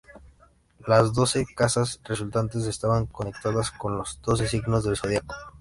Las doce "casas" resultantes estaban conectadas con los doce signos del zodíaco.